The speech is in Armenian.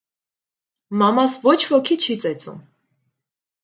- Մամաս ոչ ոքի չի ծեծում.